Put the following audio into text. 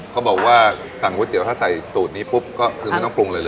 เขาบอกว่าสั่งก๋วยเตี๋ยวถ้าใส่สูตรนี้ปุ๊บก็คือไม่ต้องปรุงอะไรเลย